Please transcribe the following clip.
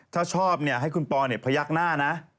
ถ้าขอชอบก็ให้คุณปลอฟัยักหน้านะ